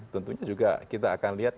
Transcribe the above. tentunya juga kita akan lihat